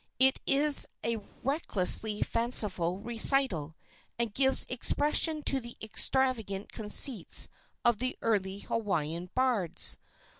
It is a recklessly fanciful recital, and gives expression to the extravagant conceits of the early Hawaiian bards.